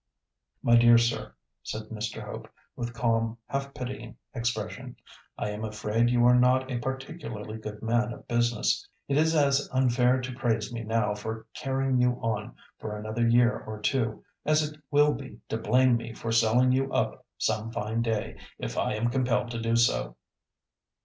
"My dear sir," said Mr. Hope, with calm, half pitying expression, "I am afraid you are not a particularly good man of business. It is as unfair to praise me now for 'carrying you on' for another year or two, as it will be to blame me for selling you up some fine day, if I am compelled to do so."